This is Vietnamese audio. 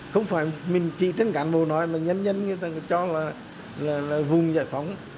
không phải mình chỉ trên cản bộ nói là nhân dân người ta cho là vùng giải phóng